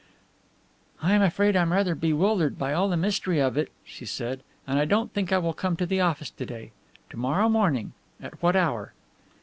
"I am afraid I am rather bewildered by all the mystery of it," she said, "and I don't think I will come to the office to day. To morrow morning, at what hour?"